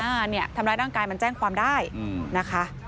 เนี่ยทำร้ายร่างกายมันแจ้งความได้นะคะ